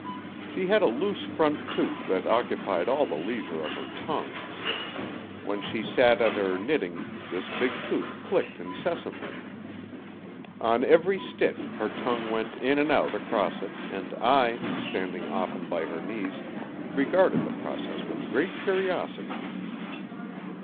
She had a loose front tooth that occupied all the leisure of her tongue. When she sat at her knitting this big tooth clicked incessantly. On every stitch her tongue went in and out across it' and I, standing often by her knees, regarded the process with great curiosity.